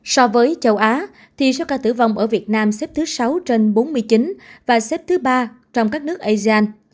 so với châu á thì số ca tử vong ở việt nam xếp thứ sáu trên bốn mươi chín và xếp thứ ba trong các nước asean